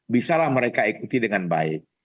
bisalah mereka ikuti dengan baik